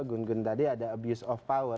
gun gun tadi ada abuse of power